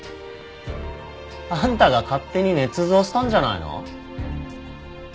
あんたが勝手に捏造したんじゃないの？